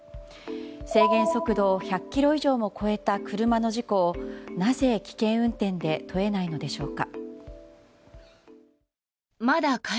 制限速度を１００キロ以上も超えた車の事故をなぜ、危険運転で問えないのでしょうか。